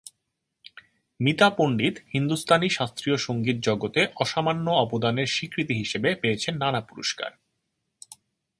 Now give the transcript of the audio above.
মিতা পণ্ডিত হিন্দুস্তানি শাস্ত্রীয় সংগীত জগতে অসামান্য অবদানের স্বীকৃতি হিসেবে পেয়েছেন নানা পুরস্কার।